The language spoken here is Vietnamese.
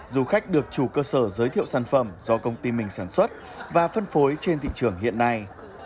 du khách được chủ cơ sở giới thiệu sản phẩm do công ty mình sản xuất và phân phối trên thị trường hiện nay